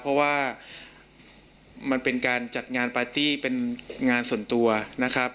เพราะว่ามันเป็นการจัดงานปาร์ตี้เป็นงานส่วนตัวนะครับ